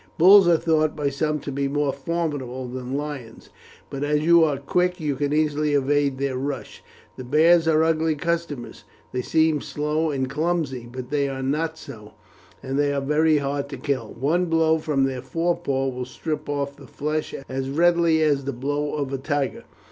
Bulls are thought by some to be more formidable than lions; but as you are quick, you can easily evade their rush. The bears are ugly customers. They seem slow and clumsy, but they are not so, and they are very hard to kill. One blow from their forepaws will strip off the flesh as readily as the blow of a tiger.